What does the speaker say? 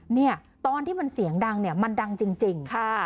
เนี่ยตอนที่มันเสียงดังเนี่ยมันดังจริงค่ะ